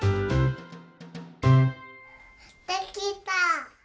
できた！